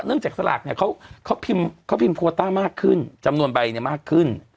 เนื่องจากสลักเนี้ยเขาเขาพิมพ์เขาพิมพ์โพต้ามากขึ้นจำนวนใบเนี้ยมากขึ้น